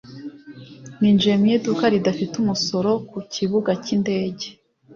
ninjiye mu iduka ridafite umusoro ku kibuga cy'indege